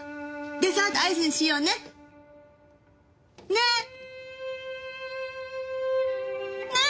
デザートアイスにしようね？ね？ね？